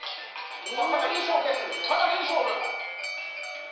かなりいい勝負です。